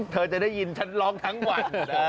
เธอจะได้ยินฉันร้องทั้งวัน